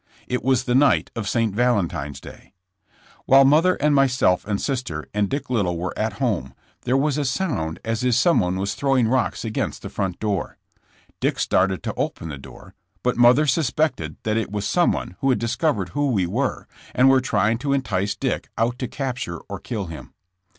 It was thQ night of St. Talentine's day. While mother and myself and sister and Dick Liddill were at home, there was a sound as if someone was throw ing rocks against the front door. Dick started to open the door, but mother suspected that it was someone who had discovered who we were and were trying to entice Dick out to capture or kill him.